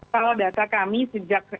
kalau data kami sejak